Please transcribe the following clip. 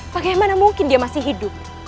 bagaimana mungkin dia masih hidup